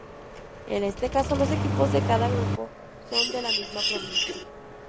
En este caso los equipos de cada grupo son de la misma provincia.